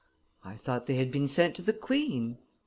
"I thought they had been sent to the queen."